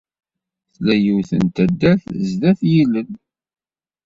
Tella yiwet n taddart sdat yilel.